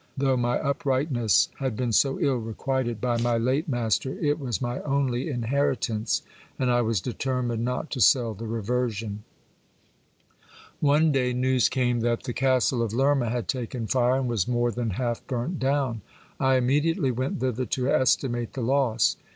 Though my uprightness had been so ill requited by mv late master, it was my only inheritance, and I was determined not to sell the reversion. One day news came that the castle of Lerma had taken fire, and was more thin half burnt down. I immediately went thither to estimate the loss.